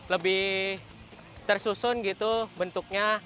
lebih tersusun gitu bentuknya